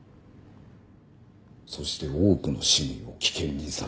そして多くの市民を危険にさらした。